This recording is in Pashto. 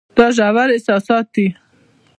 دا ژور احساسات دي.